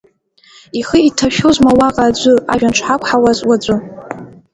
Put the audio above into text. Ихы иҭашәозма уаҟа аӡәы ажәҩан шҳақәҳауаз уаҵәы!